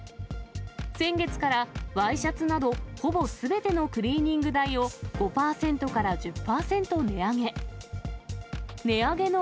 先月からワイシャツなど、ほぼすべてのクリーニング代を、５％から１０％値上げ。